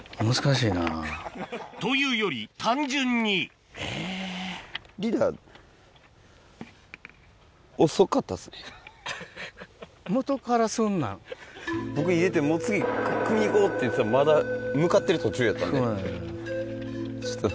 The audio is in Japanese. というより単純に僕入れてもう次くみに行こうっていってたらまだ向かってる途中やったんで。